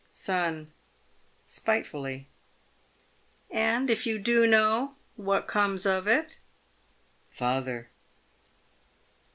Son (spitefully). And, if you do know, what comes of it ? Father.